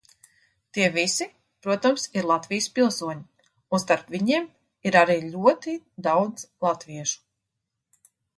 Tie visi, protams, ir Latvijas pilsoņi, un starp viņiem ir arī ļoti daudz latviešu.